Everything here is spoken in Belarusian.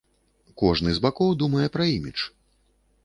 Кожны з бакоў думае пра імідж.